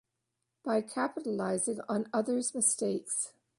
By capitalising on other's mistakes.